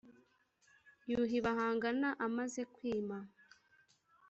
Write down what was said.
Yuhi bahangana amaze kwima